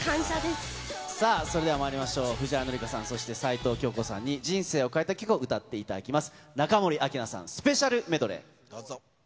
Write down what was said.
さあ、それではまいりましょう、藤原紀香さん、齊藤京子さんに人生を変えた曲を歌っていただきます。